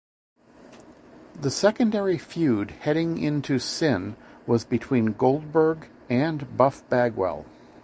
The secondary feud heading in to Sin, was between Goldberg and Buff Bagwell.